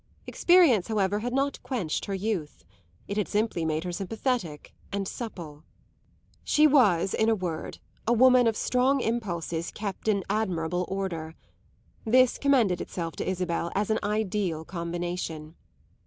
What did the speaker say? Experience, however, had not quenched her youth; it had simply made her sympathetic and supple. She was in a word a woman of strong impulses kept in admirable order. This commended itself to Isabel as an ideal combination.